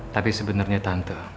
tapi sebenernya tante